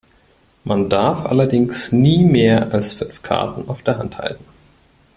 Man darf allerdings nie mehr als fünf Karten auf der Hand halten.